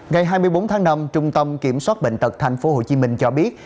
ngày hai mươi bốn tháng năm trung tâm kiểm soát bệnh tật tp hcm cho biết